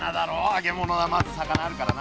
揚げ物はまず魚あるからな。